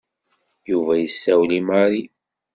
Yuba yessawel i Mary.